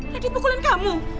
radit pukulin kamu